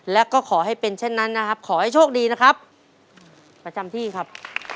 และก็ขอให้เป็นเช่นนั้นนะครับขอให้โชคดีนะครับประจำที่ครับ